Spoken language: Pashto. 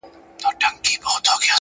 هره ورځ نوی درس وړاندې کوي!.